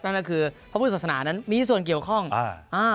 นั่นก็คือพระพุทธศาสนานั้นมีส่วนเกี่ยวข้องอ่าอ่า